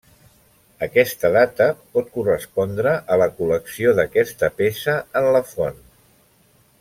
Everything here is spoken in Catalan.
Aquesta data pot correspondre a la col·lecció d'aquesta peça en la font.